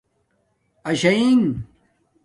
آشنݣ